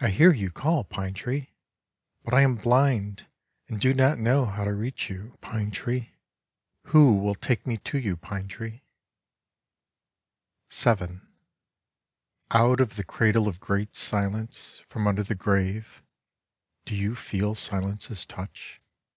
I hear you call. Pine tree, but I am blind, and do not know how to reach you, Pine tree. Who will take me to JS Prose Poems you, Pine tree? vn Out of the cradle of great Silence, from under the grave (do you feel Silence's touch